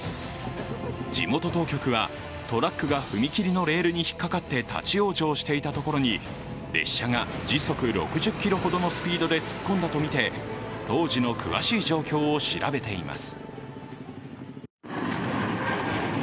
地元当局は、トラックが踏切のレールに引っかかって立往生していたところに列車が時速６０キロほどのスピードで突っ込んだとみて、当時の詳しい状況を調べています。